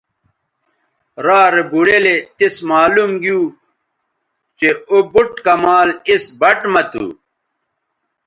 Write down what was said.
را رے بوڑیلے تس معلوم گیو چہء او بُٹ کمال اِس بَٹ مہ تھو